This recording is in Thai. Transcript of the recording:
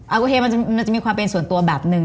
โอเคมันจะมีความเป็นส่วนตัวแบบหนึ่ง